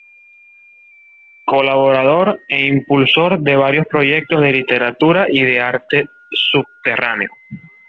Colaborador e impulsor de varios proyectos de literatura y de arte subterráneo.